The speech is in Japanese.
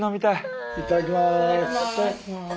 いただきます。